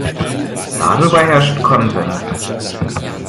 Darüber herrscht Konsens.